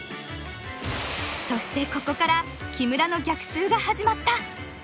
そしてここから木村の逆襲が始まった！